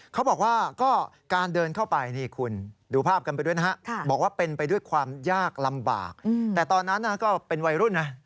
เขาบอกว่าก็การเดินเข้าไปนี่คุณดูภาพกันไปด้วยนะฮะบอกว่าเป็นไปด้วยความยากลำบากแต่ตอนนั้นก็เป็นวัยรุ่นนะ